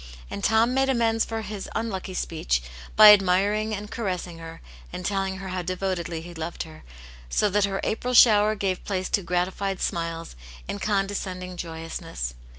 And Tom made amends for his unlucky speech by admiring and caressing her, and telling her how devotedly he loved her, so that her April shower gave place to gratified smiles and condescending joyousness.